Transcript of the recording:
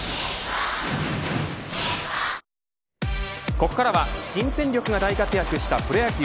ここからは新戦力が大活躍したプロ野球。